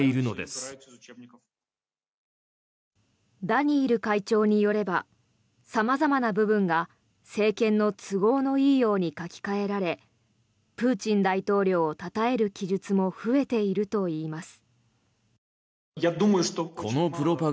ダニイル会長によれば様々な部分が政権の都合のいいように書き換えられプーチン大統領をたたえる記述も増えているといいます。